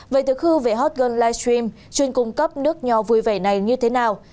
vậy từ khư về hot girl livestream chuyên cung cấp nước nhỏ vui vẻ này như thế nào